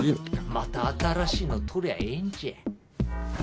また新しいの撮りゃええんじゃ。